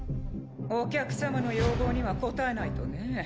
お客様の要望には応えないとね。